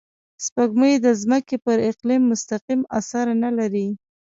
سپوږمۍ د ځمکې پر اقلیم مستقیم اثر نه لري